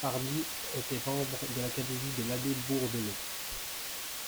Pardies était membre de l'académie de l'abbé Bourdelot.